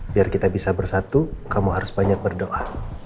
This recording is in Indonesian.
biar kita bisa bersatu kamu harus banyak berdoa